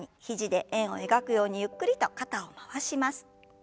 肘で円を描くようにゆっくりと肩を回します。